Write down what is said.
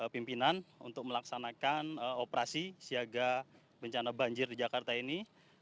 pimpinan untuk melaksanakan operasi siaga bencana banjir di jakarta ini